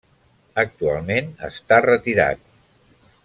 Actualment està retirat.